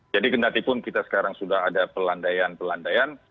kendatipun kita sekarang sudah ada pelandaian pelandaian